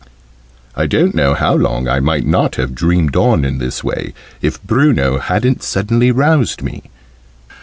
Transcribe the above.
I don't know how long I might not have dreamed on in this way, if Bruno hadn't suddenly roused me.